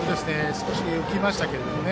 少し浮きましたけどね。